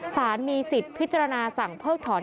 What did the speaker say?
สารมีสิทธิ์พิจารณาสั่งเพิกถอน